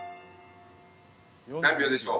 何秒でしょう？